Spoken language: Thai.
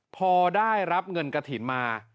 พอได้รับเงินกระถิ่นมา